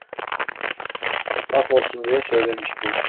Laf olsun diye söylemiştim...